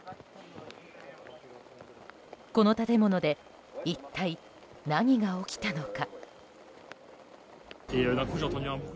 この建物で一体何が起きたのか。